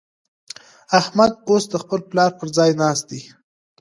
احمد اوس د خپل پلار پر ځای ناست دی.